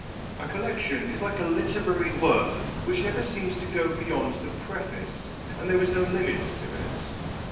A collection is like a literary work which never seems to go beyond the "preface," and there is no limit to it.